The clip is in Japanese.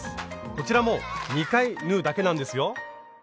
こちらも２回縫うだけなんですよ。